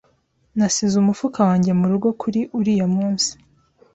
Nasize umufuka wanjye murugo kuri uriya munsi.